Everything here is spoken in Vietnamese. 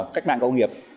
cách mạng công nghiệp